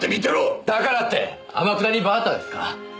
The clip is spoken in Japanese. だからって天下りバーターですか？